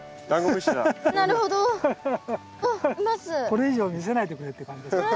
これ以上見せないでくれって感じですね。